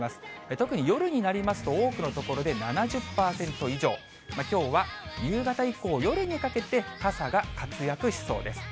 特に夜になりますと、多くの所で７０％以上、きょうは夕方以降、夜にかけて、傘が活躍しそうです。